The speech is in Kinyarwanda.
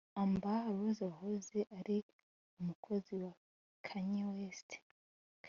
Amber Rose wahoze ari umukunzi wa Kanye West